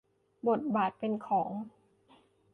บทบาทเป็นของ